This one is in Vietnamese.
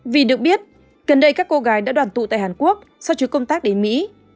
vì được biết gần đây các cô gái đã đoàn tụ tại hàn quốc sau chuyến công tác đến mỹ